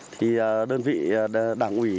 thì đơn vị đảng ủy